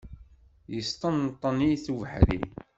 Yesṭenṭen-it ubeḥri.